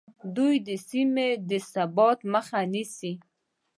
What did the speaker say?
دوی د سیمې د ثبات مخه نیسي